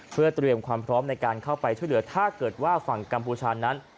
เพื่อเตรียมความพร้อมในการเข้าไปช่วยเหลือถ้าเกิดว่าฝั่งกัมพูชานั้น